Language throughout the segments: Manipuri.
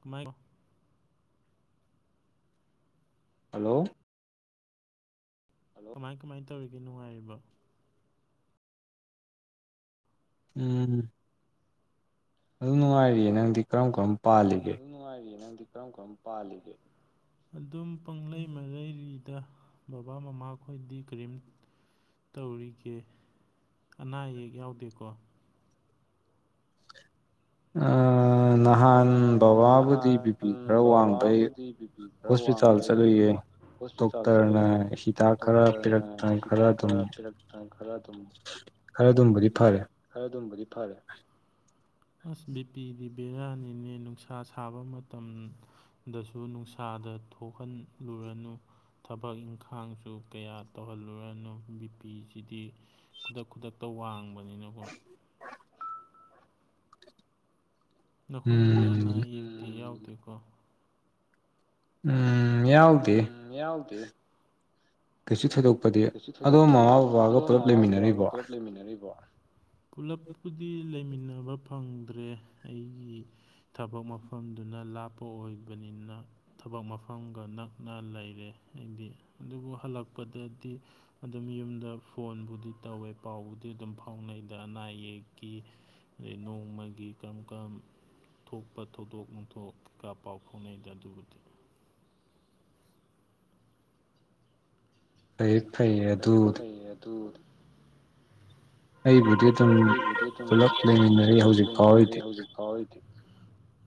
ꯀꯃꯥꯏ [unintelligible] ꯍꯜꯂꯣ꯫ ꯀꯃꯥꯏ ꯀꯃꯥꯏꯅ ꯇꯧꯔꯤꯒꯦ ꯅꯨꯡꯉꯥꯏꯔꯤꯕꯣ꯫ ꯎꯝ ꯑꯗꯨꯝ ꯅꯨꯡꯉꯥꯏꯔꯤꯌꯦ ꯅꯪꯗꯤ ꯀꯔꯝ ꯀꯔꯝ ꯄꯥꯜꯂꯤꯒꯦ꯫ ꯀꯔꯝ ꯀꯔꯝ ꯄꯥꯜꯂꯤꯒꯦ ꯑꯗꯨꯝ꯫ [unintelligible] ꯗꯦ ꯕꯕꯥ ꯃꯃꯥ ꯈꯣꯏꯗꯤ ꯀꯔꯤꯝ꯫ ꯇꯧꯔꯤꯒꯦ ꯑꯅꯥ ꯑꯌꯦꯛ ꯌꯥꯎꯗꯦꯀꯣ꯫ ꯑꯥ꯫ [unintelligible] ꯅꯍꯥꯟ ꯕꯕꯥꯕꯨꯗꯤ ꯕꯤꯄꯤ ꯈꯔ ꯋꯥꯡꯕꯩ ꯍꯣꯁꯄꯤꯇꯥꯜ ꯆꯠꯂꯨꯏꯌꯦ꯫ ꯍꯣꯁꯄꯤꯇꯥꯜ ꯆꯠꯂꯨꯌꯦ ꯗꯣꯛꯇꯔꯅ ꯍꯤꯗꯥꯛ ꯈꯔ ꯄꯤꯔꯛꯇ ꯈꯔ ꯑꯗꯨꯝ꯫ ꯈꯔ ꯑꯗꯨꯝꯕꯨꯗꯤ ꯐꯔꯦ꯫ ꯈꯔ ꯑꯗꯨꯝꯕꯨꯗꯤ ꯐꯔꯦ ꯑꯁ ꯕꯤ ꯄꯤꯗꯤ ꯕꯦꯔꯥꯅꯤꯅꯦ꯫ ꯅꯨꯡꯁꯥ ꯁꯥꯕ ꯃꯇꯝꯗꯁꯨ ꯅꯨꯡꯁꯥꯗ ꯊꯣꯛꯍꯜꯂꯨꯔꯅꯨ꯫ ꯊꯕꯛ ꯏꯪꯈꯥꯡꯁꯨ ꯀꯌꯥ ꯇꯧꯍꯜꯂꯨꯔꯅꯨ ꯕꯤꯄꯤꯁꯤꯗꯤ ꯈꯨꯗꯛ ꯈꯨꯗꯛꯇ꯫ ꯋꯥꯡꯕꯅꯤꯅꯀꯣ꯫ ꯅꯈꯣꯏꯒꯤꯗꯤ ꯑꯅꯥ ꯑꯌꯦꯛꯗꯤ ꯌꯥꯎꯗꯦꯀꯣ꯫ ꯎꯝ ꯌꯥꯎꯗꯦ꯫ ꯀꯩꯁꯨ ꯊꯣꯏꯗꯣꯛ꯫ ꯀꯩꯁꯨ ꯊꯣꯏꯗꯣꯛꯄꯗꯤ ꯑꯗꯣ ꯃꯃꯥ ꯕꯕꯥꯒ ꯄꯨꯂꯞ ꯂꯩꯃꯤꯟꯅꯔꯤꯕꯣ ꯄꯨꯂꯞ꯫ ꯄꯨꯗꯤ ꯂꯩꯃꯤꯟꯅꯕ ꯐꯪ꯫ ꯭ꯗꯔꯦ ꯑꯩꯒꯤ ꯊꯕꯛ ꯃꯐꯝꯗꯨꯅ ꯂꯥꯞꯄ ꯑꯣꯏꯕꯅꯤꯅ ꯊꯕꯛ ꯃꯐꯝ꯫ ꯐꯝꯒ ꯅꯛꯅ ꯂꯩꯔꯦ ꯑꯩꯗꯤ ꯑꯗꯨꯕꯨ ꯍꯜꯂꯛꯄꯗꯗꯤ꯫ ꯑꯗꯨꯝ ꯌꯨꯝꯗ ꯐꯣꯟꯕꯨꯗꯤ ꯇꯧꯋꯦ ꯄꯥꯎꯕꯨꯗꯤ ꯑꯗꯨꯝ ꯐꯥꯎꯅꯩꯗ ꯑꯅꯥ ꯑꯌꯦꯛꯀꯤ꯫ ꯑꯗꯩ ꯅꯣꯡꯃꯒꯤ ꯀꯔꯝ ꯀꯔꯝ꯫ ꯊꯣꯛꯄ ꯊꯧꯗꯣꯛ ꯅꯨꯡꯊꯣꯛꯀ ꯄꯥꯎ ꯐꯥꯎꯅꯩꯗ ꯑꯗꯨꯕꯨꯗꯤ꯫ ꯑꯩ꯫ ꯐꯩ ꯐꯩꯌꯦ ꯑꯗꯨ꯫ ꯑꯩꯕꯨꯗꯤ꯫ ꯑꯩꯕꯨꯗꯤ ꯑꯗꯨ ꯄꯨꯂꯞ ꯂꯩꯃꯤꯟꯅꯔꯤ ꯍꯧꯖꯤꯛ ꯐꯥꯎꯒꯤꯗꯤ꯫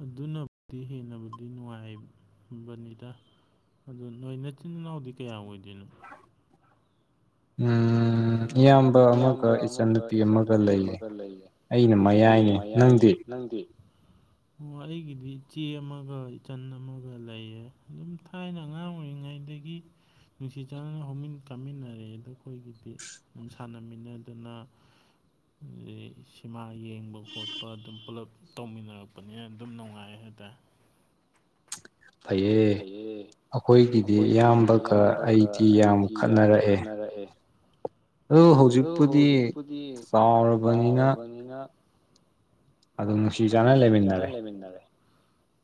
ꯑꯗꯨꯅꯕꯨꯗꯤ ꯍꯦꯟꯅꯕꯨꯗꯤ ꯅꯨꯡꯉꯥꯏꯕꯅꯤꯗ꯫ ꯑꯗꯨ ꯅꯣꯏ ꯅꯆꯤꯟ ꯏꯅꯥꯎꯗꯤ ꯀꯌꯥ ꯑꯣꯏꯗꯣꯏꯅꯣ꯫ ꯎꯝ꯫ ꯎꯝ ꯏꯌꯥꯝꯕ ꯑꯃꯒ ꯏꯆꯟꯟꯅꯨꯄꯤ ꯑꯃꯒ ꯂꯩꯌꯦ꯫ ꯑꯩꯅ ꯃꯌꯥꯏꯅꯦ ꯅꯪꯗꯤ꯫ [unintelligible] ꯑꯣ ꯑꯩꯒꯤꯗꯤ ꯏꯆꯦ ꯑꯃꯒ ꯏꯆꯟ ꯑꯃꯒ ꯂꯩꯌꯦ ꯑꯗꯨꯝ ꯊꯥꯏꯅ ꯑꯉꯥꯡ ꯑꯣꯏꯔꯤꯉꯩꯗꯩ꯫ ꯒꯤ ꯅꯨꯡꯁꯤ ꯆꯥꯟꯅꯅ ꯍꯧꯃꯤꯟ ꯆꯃꯤꯟꯅꯔꯛꯏ ꯑꯗꯨ꯫ ꯑꯩꯈꯣꯏꯒꯤꯗꯤ ꯑꯗꯨꯝ ꯁꯥꯟꯅꯃꯤꯟꯅꯗꯅ ꯁꯤꯃꯥ꯫ ꯌꯦꯡꯕ ꯈꯣꯠꯄ ꯑꯗꯨꯝ ꯄꯨꯜꯂꯞ꯫ ꯇꯧꯃꯤꯟꯅꯔꯛꯄꯅꯤꯅ ꯑꯗꯨꯝ ꯅꯨꯡꯉꯥꯏ ꯍꯥꯏꯇꯥꯏ꯫ ꯐꯩꯌꯦ꯫ ꯑꯩꯈꯣꯏꯒꯤꯗꯤ ꯏꯌꯥꯝꯕꯒ ꯑꯩꯗꯤ ꯌꯥꯝ ꯈꯠꯅꯔꯛꯑꯦ꯫ ꯑꯗꯨ ꯍꯧꯖꯤꯛꯄꯨꯗꯤ ꯆꯥꯎꯔꯕꯅꯤꯅ꯫ ꯑꯗꯨ ꯅꯨꯡꯁꯤ ꯆꯥꯟꯅꯅ ꯂꯩꯃꯤꯟꯅꯔꯦ꯫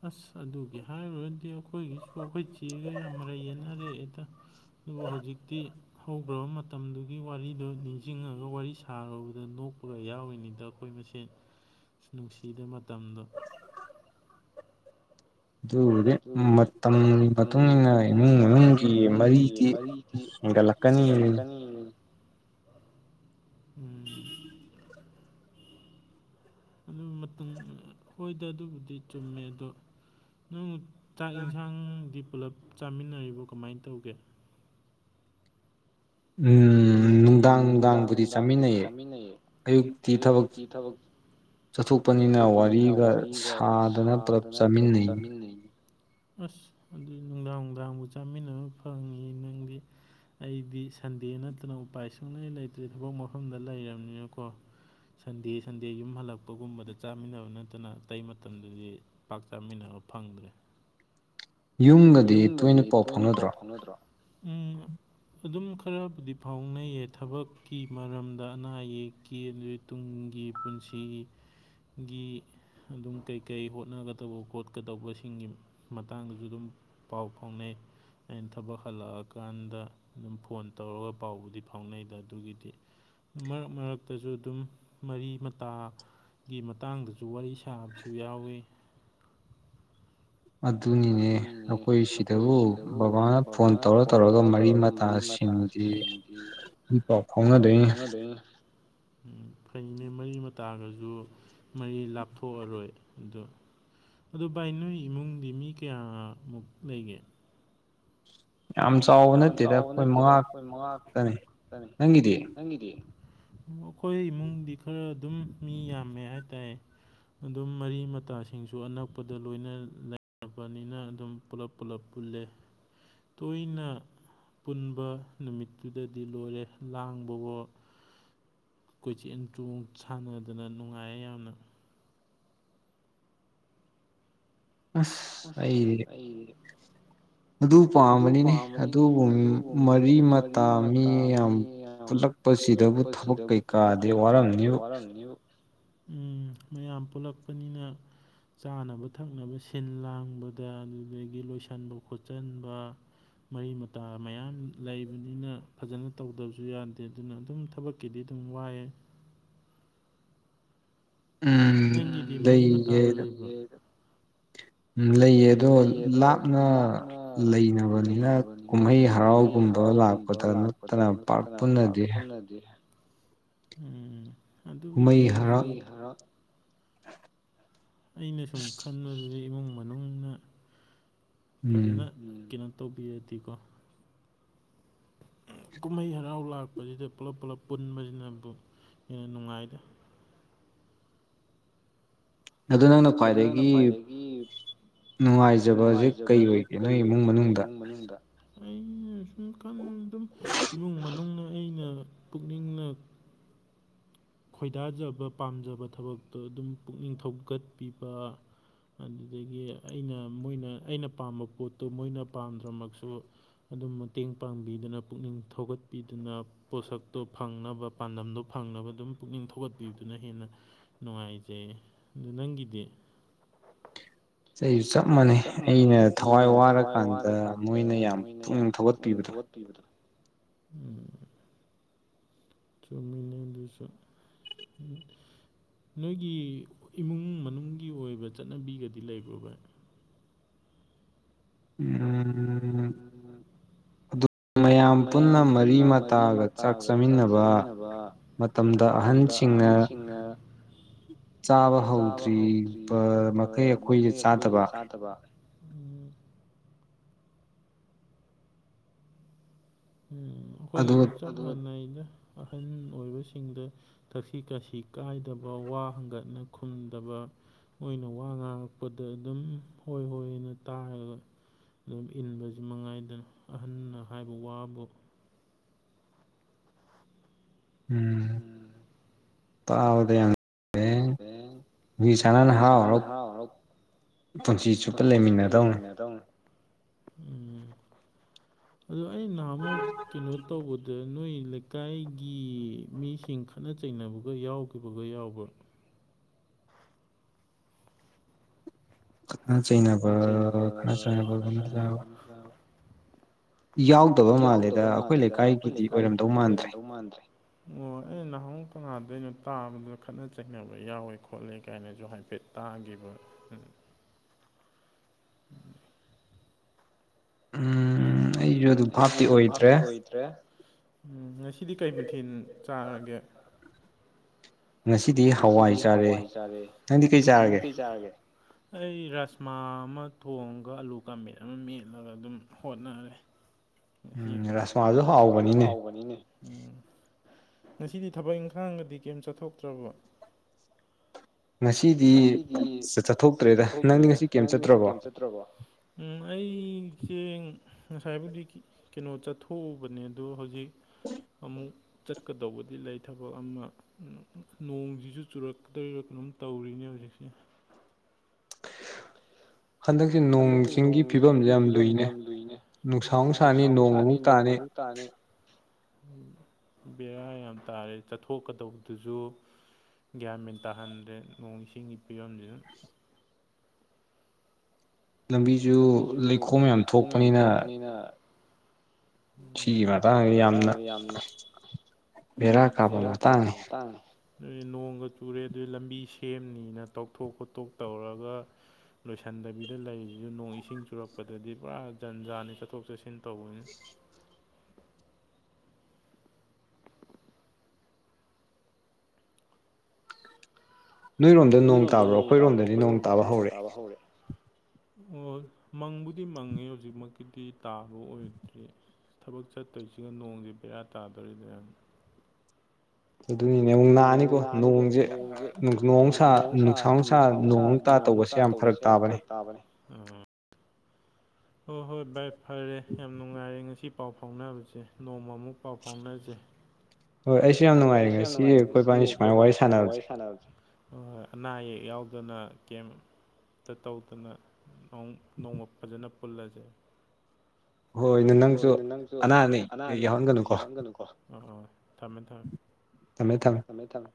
ꯑꯁ ꯑꯗꯨꯒꯤ ꯍꯥꯏꯔꯨꯔꯗꯤ ꯑꯩꯈꯣꯏꯒꯤꯁꯨ ꯑꯩꯈꯣꯏ ꯆꯦꯒ ꯌꯥꯝ ꯃꯔꯩꯌꯦꯠꯅ ꯔꯛꯑꯦ꯫ ꯑꯗꯨꯕꯨ ꯍꯧꯖꯤꯛꯇꯤ ꯍꯧꯈ꯭ꯔꯕ ꯃꯇꯝꯗꯨꯒꯤ ꯋꯥꯔꯤꯗꯨ ꯅꯤꯡꯁꯤꯡꯉꯒ ꯋꯥꯔꯤ ꯁꯥ ꯊꯔꯨꯕꯗ ꯅꯣꯛꯄꯒ ꯌꯥꯎꯔꯤꯅꯤꯗ ꯑꯩꯈꯣꯏ ꯃꯁꯦꯟ ꯅꯨꯡꯁꯤ ꯁꯤꯤꯕ ꯃꯇꯝꯗꯣ ꯑꯗꯨꯗꯤ ꯃꯇꯝꯒꯤ ꯃꯇꯨꯡ ꯏ ꯃꯇꯨꯡꯏꯟꯅ ꯏꯃꯨꯡ ꯃꯅꯨꯡꯒꯤ ꯃꯔꯤꯗꯤ ꯏꯀ ꯂꯀꯅꯤ [inaudible] ꯑꯗꯨ ꯃꯇꯝ ꯍꯣꯏꯗ ꯑꯗꯨꯕꯨꯗꯤ ꯆꯨꯝꯃꯦ ꯑꯗꯣ ꯅꯪ ꯆꯥꯛ ꯌꯦꯟꯁꯥꯡꯗꯤ ꯄꯨꯂꯞ ꯆꯥꯃꯤꯟꯅꯔꯤꯕꯣ ꯀꯃꯥꯏꯅ ꯇꯧꯒꯦ ꯎꯝ ꯅꯨꯡꯗꯥꯡ ꯅꯨꯡꯗꯥꯡꯕꯨꯗꯤ ꯆꯥꯃꯤꯟꯅꯩꯌꯦ ꯑꯌꯨꯛꯇꯤ ꯊꯕꯛ ꯆꯠꯊꯣꯛ ꯑꯛꯄꯅꯤꯅ ꯋꯥꯔꯤꯒ ꯁꯥꯗꯅ ꯄꯨꯂꯞ ꯆꯥꯃꯤꯟꯅꯩ ꯑꯁ ꯑꯗꯨ ꯅꯨꯡꯗꯥꯡ ꯅꯨꯡꯗꯥꯡꯕꯨ ꯆꯥꯃꯤꯟꯅꯕ ꯐꯪꯉꯤ ꯅꯪꯗꯤ ꯑꯩꯗꯤ ꯁꯟꯗꯦ ꯅꯠꯇꯅ ꯎꯄꯥꯏ ꯁꯨꯡꯂꯩ ꯂꯩꯇ꯭ꯔꯦ ꯊꯕꯛ ꯃꯐꯝꯗ ꯂꯩꯔꯕꯅꯤꯅꯀꯣ ꯁꯟꯗꯦ ꯁꯟꯗꯦ ꯌꯨꯝ ꯍꯜꯂꯛꯄ ꯒꯨꯝꯕꯗ ꯆꯥꯃꯤꯟꯅꯕ ꯅꯠꯇꯅ ꯑꯇꯩ ꯃꯇꯝꯗꯗꯤ ꯄꯥꯛ ꯆꯥꯃꯤꯟꯅꯕ ꯐꯪꯗ꯭ꯔꯦ ꯌꯨꯝꯒꯗꯤ ꯇꯣꯏꯅ ꯄꯥꯎ ꯐꯥꯎꯅꯗ꯭ꯔꯣ ꯎꯝ [unintelligible] [inaudible] ꯑꯗꯨꯝ ꯈꯔꯕꯨꯗꯤ ꯐꯥꯎꯅꯩꯌꯦ ꯊꯕꯛꯀꯤ ꯃꯔꯝꯗ ꯑꯅꯥ ꯑꯌꯦꯛꯀꯤ ꯑꯗꯨꯒꯤ ꯇꯨꯡ ꯒꯤ ꯄꯨꯟꯁꯤꯒꯤ ꯒꯤ ꯑꯗꯨꯝ ꯀꯩꯀꯩ ꯍꯣꯠꯅꯒꯗꯧꯕ ꯈꯣꯠꯀꯗꯧꯕꯁꯤꯡꯒꯤ ꯃꯇꯥꯡꯗꯁꯨ ꯑꯗꯨꯝ ꯑꯗꯨꯝ ꯄꯥꯎ ꯐꯥꯎꯅꯩ ꯑꯩꯅ ꯊꯕꯛ ꯍꯜꯂꯛꯑꯀꯥꯟꯗ ꯑꯗꯨꯝ ꯐꯣꯟ ꯇꯧꯔꯒ ꯄꯥꯎꯕꯨꯗꯤ ꯐꯥꯎꯅꯩꯗ ꯑꯗꯨꯒꯤꯗꯤ ꯃꯔꯛ ꯃꯔꯛꯇꯁꯨ ꯑꯗꯨꯝ ꯃꯔꯤ ꯃꯇꯥ ꯒꯤ ꯃꯇꯥꯡꯗꯁꯨ ꯋꯥꯔꯤ ꯁꯥꯕꯁꯨ ꯌꯥꯎꯋꯤ ꯑꯗꯨꯅꯤꯅꯦ ꯑꯩꯈꯣꯏ ꯁꯤꯗꯕꯨ ꯕꯕꯥꯅ ꯐꯣꯟ ꯇꯧꯔ ꯇꯧꯔꯒ ꯃꯔꯤ ꯃꯇꯥꯁꯤ ꯁꯤꯡꯗꯤ ꯏ ꯄꯥꯎ ꯐꯥꯎꯅꯗꯣꯏꯅꯤ ꯎꯝ ꯐꯩꯅꯦ ꯃꯩ ꯇꯥꯒꯁꯨ ꯃꯔꯤ ꯂꯥꯞꯊꯣꯛꯑꯔꯣꯏ ꯑꯗꯨꯣ ꯑꯗꯨ ꯚꯥꯏ ꯅꯣꯏ ꯏꯃꯨꯡꯗꯤ ꯃꯤ ꯀꯌꯥꯃꯨꯛ ꯂꯩꯒꯦ ꯌꯥꯝ ꯆꯥꯎꯕ ꯅꯠꯇꯦꯗ ꯑꯩꯈꯣꯏ ꯃꯉꯥ ꯈꯛꯇꯅꯤ ꯅꯪꯒꯤꯗꯤ ꯑꯩꯈꯣꯏ ꯏꯃꯨꯡꯗꯤ ꯈꯔ ꯑꯗꯨꯝ ꯃꯤ ꯌꯥꯝꯃꯦ ꯍꯥꯏꯇꯥꯔꯦ ꯑꯗꯨꯝ ꯃꯔꯤ ꯃꯇꯥꯁꯤꯡꯁꯨ ꯑꯅꯛꯄꯗ ꯂꯣꯏꯅ ꯂꯩ ꯅꯕꯅꯤꯅ ꯑꯗꯨꯝ ꯄꯨꯂꯞ ꯄꯨꯂꯞ ꯄꯨꯜꯂꯦ ꯇꯣꯏꯅ ꯄꯨꯟꯕ ꯅꯨꯃꯤꯠꯇꯨꯗꯗꯤ ꯂꯣꯏꯔꯦ ꯂꯥꯡꯕꯒ ꯀꯣꯏꯆ ꯏ ꯆꯣꯡ ꯁꯥꯟꯅꯗꯅ ꯅꯨꯡꯉꯥꯏꯌꯦ ꯌꯥꯝꯅ ꯑꯁ ꯑꯩꯗꯤ ꯑꯗꯨ ꯄꯥꯝꯕꯅꯤꯅꯦ ꯑꯗꯨꯕꯨ ꯃꯔꯤ ꯃꯇꯥ ꯃꯤ ꯌꯥꯝꯌꯥꯝ ꯄꯨꯜꯂꯛꯄꯁꯤꯗꯕꯨ ꯊꯕꯛ ꯀꯩꯀꯥꯗꯤꯦ ꯋꯥꯔꯝꯅꯤ ꯎꯝ ꯃꯌꯥꯝ ꯄꯨꯜꯂꯛꯄꯅꯤꯅ ꯆꯥꯅꯕ ꯊꯛꯅꯕ ꯁꯤꯜ ꯂꯥꯡꯕꯗ ꯑꯗꯨꯗꯒꯤ ꯂꯣꯏꯁꯤꯟꯕ ꯈꯣꯠꯆꯟꯕ ꯃꯔꯤ ꯃꯇꯥ ꯃꯌꯥꯝ ꯂꯩꯕꯅꯤꯅ ꯐꯖꯅ ꯇꯧꯗꯕꯁꯨ ꯌꯥꯗꯦ ꯑꯗꯨꯅ ꯑꯗꯨꯝ ꯊꯕꯛꯀꯤꯗꯤ ꯑꯗꯨ ꯆꯨꯝ ꯋꯥꯏ ꯎꯝ ꯂꯩꯒꯗ ꯂꯩꯌꯦ ꯑꯗꯣ ꯂꯥꯞꯅ ꯂꯩꯅꯕꯅꯤꯅ ꯀꯨꯝꯍꯩ ꯍꯔꯥꯎꯒꯨꯝꯕ ꯒꯨꯝꯕ ꯂꯥꯛꯄꯗ ꯅꯠꯇꯅ ꯄꯥꯛ ꯄꯨꯟꯅꯗꯤ ꯎꯝ ꯑꯗꯨꯕꯨꯗꯤ ꯑꯩ ꯑꯩꯅ ꯁꯨꯝ ꯈꯟꯕꯕꯁꯤꯗꯤ ꯏꯃꯨꯡ ꯃꯅꯨꯡꯅ ꯐꯖꯅ ꯀꯩꯅꯣ ꯇꯧꯕꯤꯔꯗꯤꯀꯣ ꯀꯨꯝꯍꯩ ꯍꯔꯥꯎ ꯂꯥꯛꯄꯁꯤꯗ ꯄꯨꯂꯞ ꯄꯨꯂꯞ ꯄꯨꯟꯕꯁꯤꯅ ꯅꯨꯡꯉꯥꯏꯗ ꯑꯗꯨ ꯅꯪꯅ ꯈ꯭ꯋꯥꯏꯗꯒꯤ ꯅꯨꯡꯉꯥꯏꯖꯕ ꯍꯧꯖꯤꯛ ꯀꯩ ꯑꯣꯏꯒꯦ ꯅꯣꯏ ꯏꯃꯨꯡ ꯃꯅꯨꯡꯗ ꯑꯩ ꯑꯩꯅ ꯁꯨꯝ ꯑꯗꯨꯝ ꯏꯃꯨꯡ ꯃꯅꯨꯡꯅ ꯑꯩꯅ ꯄꯨꯛꯅꯤꯡꯅ ꯈꯣꯏꯗꯥꯖꯕ ꯄꯥꯝꯖꯕ ꯊꯕꯛꯇꯣ ꯑꯗꯨꯝ ꯄꯨꯛꯅꯤꯡ ꯊꯧꯒꯠꯄꯤꯕ ꯑꯗꯨꯗꯒꯤ ꯑꯩꯅ ꯃꯣꯏꯅ ꯑꯩꯅ ꯄꯥꯝꯕ ꯄꯣꯠꯇꯨ ꯃꯣꯏꯅ ꯄꯥꯝꯗ꯭ꯔꯃꯛꯁꯨ ꯑꯗꯨꯝ ꯃꯇꯦꯡ ꯄꯥꯡꯕꯤꯗꯨꯅ ꯄꯨꯛꯅꯤꯡ ꯊꯧꯒꯠꯄꯤꯗꯨꯅ ꯄꯣꯠꯁꯛꯇꯣ ꯐꯪꯅꯕ ꯄꯥꯟꯗꯝꯗꯣ ꯐꯪꯅꯕ ꯑꯗꯨꯝ ꯄꯨꯛꯅꯤꯡ ꯊꯧꯒꯠꯄꯤꯗꯨꯅ ꯍꯦꯟꯅ ꯅꯨꯡꯉꯥꯏꯖꯩ ꯑꯗꯨ ꯅꯪꯒꯤꯗꯤ [unintelligible] ꯑꯩꯁꯨ ꯆꯞ ꯃꯥꯟꯅꯩ ꯑꯩꯅ ꯊꯋꯥꯏ ꯋꯥꯔꯀꯥꯟꯗ ꯃꯣꯏꯅ ꯌꯥꯝ ꯄꯨꯛꯅꯤꯡ ꯊꯧꯒꯠꯄꯤꯕꯗꯣ ꯕꯗ꯭ꯔ ꯎꯝ ꯆꯧꯃꯤꯟꯅ ꯑꯗꯨꯁꯨꯣ ꯅꯣꯏꯒꯤ ꯏꯃꯨꯡ ꯃꯅꯨꯡꯒꯤ ꯑꯣꯏꯕ ꯆꯠꯅꯕꯤꯒꯗꯤ ꯂꯩꯕ꯭ꯔꯣ ꯚꯏ ꯎ [unintelligible] ꯃꯌꯥꯝ ꯄꯨꯟꯅ ꯃꯔꯤ ꯃꯇꯥꯒ ꯆꯥꯛ ꯆꯥꯃꯤꯟꯅꯕ ꯃꯇꯝꯗ ꯑꯍꯟꯁꯤꯡꯅ ꯆꯥꯕ ꯍꯧꯗ꯭ꯔꯤꯕ ꯃꯈꯩ ꯑꯩꯈꯣꯏꯁꯦ ꯆꯥꯗꯕ ꯎꯝ ꯎꯝ ꯑꯩꯈꯣꯏꯒꯤꯁꯨ ꯆꯠꯄ ꯏꯗ ꯑꯍꯟ ꯑꯣꯏꯕꯁꯤꯡꯗ ꯊꯛꯁꯤ ꯈꯥꯁꯤ ꯀꯥꯏꯗꯕ ꯋꯥ ꯍꯪꯒꯠꯅ ꯈꯨꯝꯗꯕ ꯃꯣꯏꯅ ꯋꯥ ꯉꯥꯡꯔꯛꯄꯗ ꯑꯗꯨꯝ ꯍꯣꯏ ꯍꯣꯏꯅ ꯇꯥꯔꯒ ꯑꯗꯨꯝ ꯏꯟꯕꯁꯤ ꯃꯉꯥꯏꯗꯅ ꯑꯍꯟꯅ ꯍꯥꯏꯕ ꯋꯥꯕꯨ ꯎꯝ ꯇꯗ ꯃꯤꯁꯅꯅ ꯍꯥꯥꯎꯔ ꯄꯨꯟꯁꯤ ꯆꯨꯞꯄ ꯂꯩꯃꯤꯟꯅꯗꯧꯅꯤ ꯎꯝ ꯑꯗ ꯑ ꯅꯍꯥꯃꯨꯛ ꯀꯩꯅꯣ ꯇꯧꯕꯗ ꯅꯣꯏ ꯂꯩꯀꯥꯏꯒꯤ ꯃꯤꯁꯤꯡ ꯈꯠꯅ ꯆꯩꯅꯕꯒ ꯌꯥꯎꯈꯤꯕꯒ ꯌꯥꯎꯕ꯭ꯔꯥ [unintelligible] ꯈꯅꯥ ꯆꯩꯅꯅꯕ ꯈꯥꯅꯥ ꯆꯩꯅꯅꯕꯅ ꯌꯥꯎ ꯌꯥꯎꯗꯕ ꯃꯥꯜꯂꯦꯗ ꯑꯩꯈꯣꯏ ꯂꯩꯀꯥꯏꯒꯤꯗꯤ ꯑꯣꯏꯔꯝꯗꯧ ꯃꯥꯟꯗ꯭ꯔꯦ ꯑꯣ ꯑꯩꯅ ꯅꯍꯥ ꯀꯅꯥꯗ ꯑꯩꯅꯣ ꯇꯥꯕꯗ ꯈꯠꯅ ꯆꯩꯅꯕ ꯌꯥꯎꯋꯦ ꯈꯣꯠꯂꯦ ꯀꯥꯏꯅꯁꯨ ꯍꯥꯏꯐꯦꯠ ꯇꯥꯈꯤꯕ ꯎ ꯎꯝ ꯑꯩꯁꯨ ꯑꯗꯨꯝ ꯚꯥꯞꯇꯤ ꯑꯣꯏꯗ꯭ꯔꯦ ꯎꯝ ꯉꯁꯤꯗꯤ ꯀꯩ ꯃꯊꯦꯜ ꯆꯥꯔꯒꯦ ꯉꯁꯤꯗꯤ ꯍꯋꯥꯏ ꯆꯥꯔꯦ ꯅꯪꯗꯤ ꯀꯩ ꯆꯥꯔꯒꯦ ꯑꯩ ꯔꯥꯁꯃꯥ ꯃ ꯊꯣꯡꯒ ꯑꯂꯨ ꯀꯥꯝꯃꯦꯠ ꯑꯃ ꯃꯦꯠꯂꯒ ꯑꯗꯨꯝ ꯍꯣꯠꯅꯔꯦ ꯁꯤ ꯔꯥꯁꯃꯥꯁꯨ ꯍꯥꯎꯕꯅꯤꯅꯦ ꯎꯝ ꯉꯁꯤꯗꯤ ꯊꯕꯛ ꯏꯪꯈꯥꯡꯒꯗꯤ ꯀꯩꯝ ꯆꯠꯊꯣꯛꯇ꯭ꯔꯕ ꯉꯁꯤꯗꯤ ꯆꯠꯊꯣꯛꯇ꯭ꯔꯦꯗ ꯅꯪꯗꯤ ꯉꯁꯤ ꯀꯩꯝ ꯆꯠꯇ꯭ꯔꯕꯣ ꯑꯩ ꯍꯀꯤꯡ ꯉꯁꯥꯏꯕꯨꯗꯤ ꯀꯩꯅꯣ ꯆꯠꯊꯣꯛꯎꯕꯅꯦ ꯑꯗꯣ ꯍꯧꯖꯤꯛ ꯑꯃꯨꯛ ꯆꯠꯀꯗꯧꯕꯗꯤ ꯂꯩ ꯊꯕꯛ ꯑꯃ ꯅꯣꯡꯁꯤꯁꯨ ꯆꯨꯔꯛꯀꯗꯧꯔ ꯀꯩꯅꯣꯝ ꯇꯧꯔꯤꯅꯦ ꯍꯧꯖꯤꯛꯁꯦ ꯍꯟꯗꯛꯁꯦ ꯅꯣꯡ ꯆꯤꯡꯒꯤ ꯐꯤꯕꯝꯁꯦ ꯌꯥꯝ ꯂꯨꯏꯅꯦ ꯅꯨꯡꯁꯥ ꯅꯨꯡꯁꯥꯅꯤ ꯅꯣꯡꯃꯨꯛ ꯇꯥꯅꯤ ꯕꯦꯔꯥ ꯌꯥꯝ ꯇꯥꯔꯦ ꯆꯠꯊꯣꯛꯀꯗꯧꯕꯗꯨꯁꯨ ꯒ꯭ꯌꯥꯟꯃꯦꯟ ꯇꯥꯍꯟꯗ꯭ꯔꯦ ꯅꯣꯡ ꯏꯁꯤꯡꯒꯤ ꯐꯤꯕꯝꯁꯤꯗ ꯂꯝꯕꯤꯁꯨ ꯂꯩꯈꯣꯝ ꯌꯥꯝ ꯊꯣꯛꯄꯅꯤꯅ ꯁꯤ ꯃꯇꯥꯡꯒ ꯌꯥꯝꯅ ꯕꯦꯔꯥꯛ ꯔꯥ ꯀꯥꯄꯝꯕ ꯇꯥꯡ ꯑꯗꯨ ꯅꯣꯡꯒ ꯆꯨꯔꯦ ꯑꯗꯨ ꯂꯝꯕꯤ ꯁꯦꯝꯅꯤꯅ ꯇꯧꯊꯣꯛ ꯈꯣꯠꯇꯣꯛ ꯇꯧꯔꯒ ꯂꯣꯏꯁꯤꯟꯗꯕꯤꯗ ꯂꯩꯔꯤꯁꯤꯁꯨ ꯅꯣꯡ ꯏꯁꯤꯡ ꯆꯨꯔꯛꯄꯗꯗꯤ ꯄꯨꯔꯥ ꯖꯟꯖꯥꯅꯤ ꯆꯠꯊꯣꯛ ꯆꯠꯁꯤꯟ ꯇꯟ ꯅꯣꯏꯔꯣꯝꯗ ꯅꯣꯡ ꯇꯥꯕ꯭ꯔꯣ ꯑꯩꯈꯣꯏꯔꯣꯝꯗꯗꯤ ꯅꯣꯡ ꯇꯥꯕ ꯍꯧꯔꯛꯑꯦ ꯑꯣ ꯃꯪꯕꯨꯗꯤ ꯃꯪꯉꯦ ꯍꯧꯖꯤꯛꯃꯛꯀꯤꯗꯤ ꯇꯥꯕ ꯑꯣꯏꯗ꯭ꯔꯤ ꯊꯕꯛ ꯆꯠꯇꯣꯏꯁꯤꯅ ꯅꯣꯡꯗꯤꯦ ꯕꯦꯌꯥ ꯇꯥꯗꯣꯔꯤꯗꯅ ꯑꯗꯨꯅꯤꯅꯦ ꯑꯃꯨꯛ ꯅꯥꯅꯤꯀꯣ ꯅꯣꯡꯁꯦ ꯅꯣꯡꯅꯨꯡꯁꯥ ꯅꯨꯡꯁꯥ ꯅꯨꯡꯁꯥ ꯅꯣꯡ ꯑꯃꯨꯛ ꯇꯥ ꯇꯧꯕ ꯇꯥ ꯇꯧꯕꯁꯦ ꯌꯥꯝ ꯐꯔꯛ ꯇꯥꯕꯅꯦ ꯍꯣꯏ ꯍꯣꯏ ꯚꯥꯏ ꯐꯔꯦ ꯌꯥꯝ ꯅꯨꯡꯉꯥꯏꯔꯦ ꯉꯁꯤ ꯄꯥꯎ ꯐꯥꯎꯅꯕꯁꯦ ꯅꯣꯡꯃꯃꯨꯛ ꯄꯥꯎ ꯐꯥꯎꯅꯁꯦ ꯍꯣꯏ ꯑꯩꯁꯨ ꯌꯥꯝ ꯅꯨꯡꯉꯥꯏꯔꯦ ꯉꯁꯤ ꯑꯩꯈꯣꯏ ꯏꯕꯥꯅꯤ ꯁꯨꯃꯥꯏꯅ ꯋꯥꯔꯤ ꯁꯥꯟꯅꯕꯁꯦ ꯍꯣꯏꯣꯏ ꯑꯅꯥ ꯑꯌꯦꯛ ꯌꯥꯎꯗꯅ ꯀꯦꯝ ꯇ ꯇꯧꯗꯅ ꯅꯣꯡꯃ ꯐꯖꯅ ꯄꯨꯜꯂꯁꯦ ꯍꯣꯏꯅꯦ ꯅꯪꯁꯨ ꯑꯅꯥ ꯑꯌꯦꯛ ꯌꯥꯎꯍꯟꯒꯅꯨꯀꯣ ꯑꯣ ꯑꯣ ꯊꯝꯃꯦ ꯊꯝꯃꯦ ꯊꯝꯃꯦ ꯊꯝꯃꯦ